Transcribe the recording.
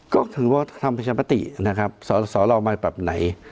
ก็ถือว่าทำประชามตินะครับสอสอรอมาแบบไหน